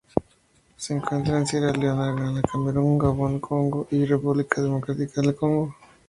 Se encuentra en Sierra Leona Ghana Camerún Gabón Congo y República Democrática del Congo.